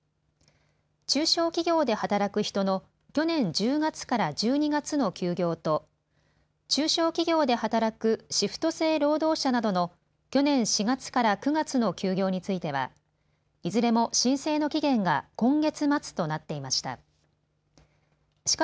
中小企業で働く人の去年１０月から１２月の休業と中小企業で働くシフト制労働者などの去年４月から９月の休業についてはいずれも申請の期限が今月末となっていました。